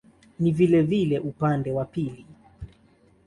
Ni vilevile upande wa pili.